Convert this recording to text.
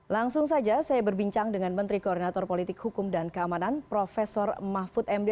langsung saja saya berbincang dengan menteri koordinator politik hukum dan keamanan prof mahfud md